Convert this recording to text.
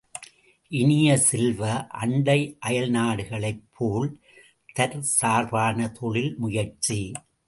இனிய செல்வ, அண்டை அயல்நாடுகளைப் போல் தற்சார்பான தொழில் முயற்சி.